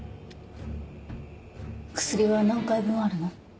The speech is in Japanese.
薬は何回分あるの？